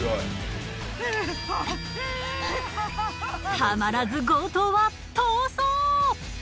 たまらず強盗は逃走！